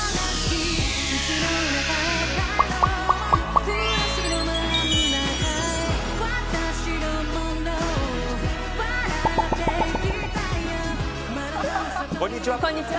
こんにちは。